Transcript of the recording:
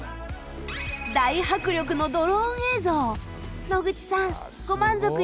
大迫力のドローン映像。